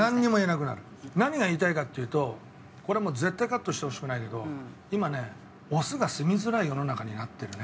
何が言いたいかっていうとこれはもう絶対カットしてほしくないけど今ねオスが住みづらい世の中になってるね。